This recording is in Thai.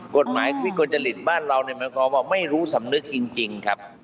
กฎหมายวิกลจริตบ้านเราหมายความว่าไม่รู้สำนึกจริงครับ